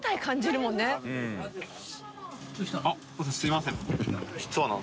すいません